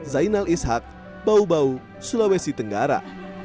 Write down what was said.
zainal ishak bau bau sulawesi tenggara